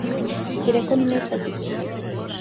mubwire ko ndi muri tagisi